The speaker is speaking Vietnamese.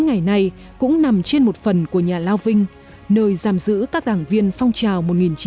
ngày này cũng nằm trên một phần của nhà lao vinh nơi giam giữ các đảng viên phong trào một nghìn chín trăm ba mươi một nghìn chín trăm ba mươi một